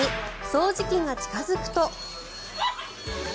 掃除機が近付くと。